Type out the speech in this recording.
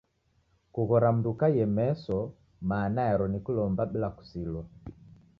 Kughora mndu ukaie meso mana yaro ni kulomba bila kusilwa.